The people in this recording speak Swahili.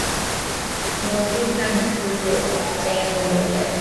Kurundika mifugo sehemu moja